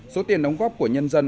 số tiền đóng góp của nhân dân